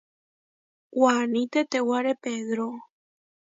Waní tetewáre Pedró.